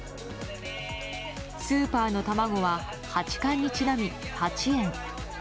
スーパーの卵は八冠にちなみ８円。